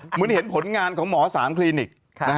เหมือนเห็นผลงานของหมอ๓คลินิก